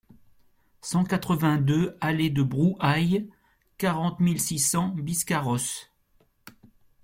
cent quatre-vingt-deux allée de Brouhailles, quarante mille six cents Biscarrosse